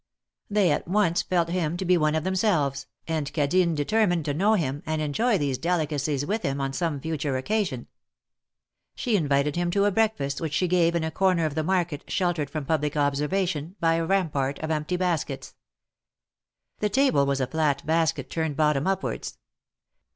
They at once felt him to be one of themselves, and Cadine determined to know him, and enjoy these delicacies with him on some future occasion. She invited him to a breakfast which she gave in a corner of the market sheltered from public observation, by a rampart of empty baskets. The table was aflat basket turned bottom upwards.